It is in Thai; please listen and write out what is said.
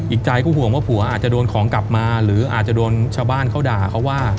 อีกใจก็ห่วงว่าผัวอาจจะโดนของกลับมาหรืออาจจะโดนชาวบ้านเขาด่าเขาว่า